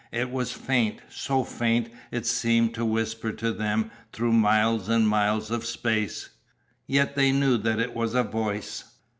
It was faint, so faint that it seemed to whisper to them through miles and miles of space yet they knew that it was a voice!